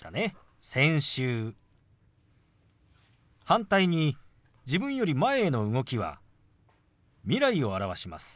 反対に自分より前への動きは未来を表します。